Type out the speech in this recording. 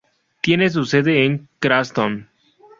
Tiene su sede en Cranston.